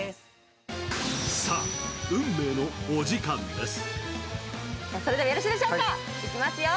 さぁ、運命のお時間です。